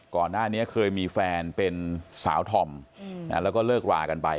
ก่อนหน้านี้เคยมีแฟนเป็นสาวธอมแล้วก็เลิกรากันไป